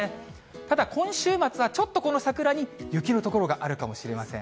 ただ今週末はちょっとこの桜に雪の所があるかもしれません。